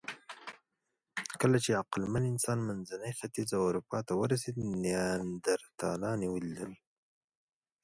کله چې عقلمن انسان منځني ختیځ او اروپا ته ورسېد، نیاندرتالان یې ولیدل.